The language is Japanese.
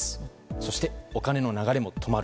そして、お金の流れも止まる。